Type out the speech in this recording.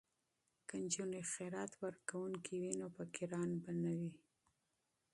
که نجونې خیرات ورکوونکې وي نو فقیران به نه وي.